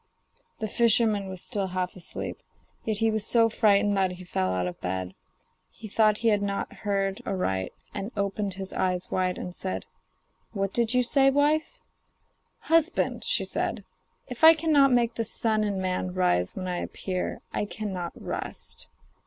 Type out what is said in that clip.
The fisherman was still half asleep, yet he was so frightened that he fell out of bed. He thought he had not heard aright, and opened his eyes wide and said: 'What did you say, wife?' 'Husband,' she said, 'if I cannot make the sun and man rise when I appear I cannot rest.